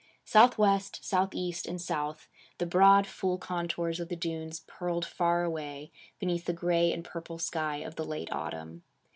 Southwest, southeast, and south, the broad, full contours of the dunes purled far away, beneath the gray and purple sky of the late autumn.